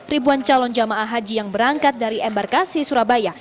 ribuan calon jamaah haji yang berangkat dari embarkasi surabaya